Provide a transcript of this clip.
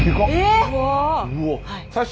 すごいね。